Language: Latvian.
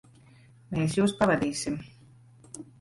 Mēs jūs pavadīsim.